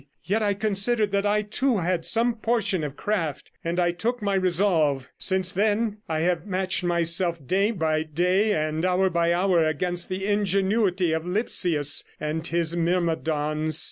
Yet I considered that I too had some portion of craft, and I took my resolve. Since then I have matched myself day by day and hour by hour against the ingenuity of Lipsius and his myrmidons.